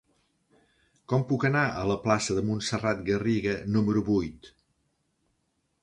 Com puc anar a la plaça de Montserrat Garriga número vuit?